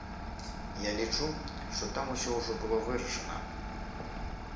Я лічу, што там усё ўжо было вырашана.